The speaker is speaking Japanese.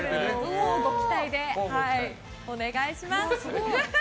こうご期待でお願いします。